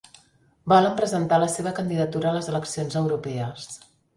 Volen presentar la seva candidatura a les eleccions europees.